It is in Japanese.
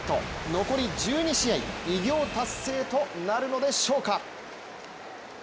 残り１２試合、偉業達成となるのでしょうか。